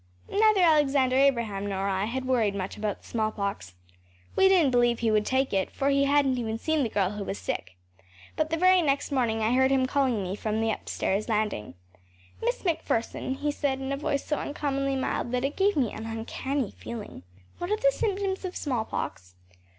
Neither Alexander Abraham nor I had worried much about the smallpox. We didn’t believe he would take it, for he hadn’t even seen the girl who was sick. But the very next morning I heard him calling me from the upstairs landing. “Miss MacPherson,‚ÄĚ he said in a voice so uncommonly mild that it gave me an uncanny feeling, “what are the symptoms of smallpox?